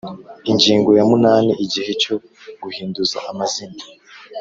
Ingingo ya munani Igihe cyo guhinduza amazina